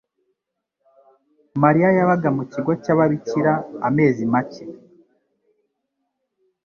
Mariya yabaga mu kigo cy'ababikira amezi make.